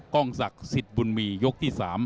กล้องศักดิ์สิทธิ์บุญมียกที่๓